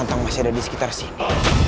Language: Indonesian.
goyo kan santtype ada di sekitar semua